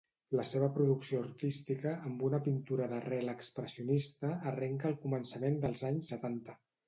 La seva producció artística, amb una pintura d'arrel expressionista, arrenca al començament dels anys setanta.